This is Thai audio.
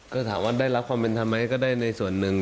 ก็ถามว่าได้รับความเป็นธรรมไหมก็ได้ในส่วนหนึ่ง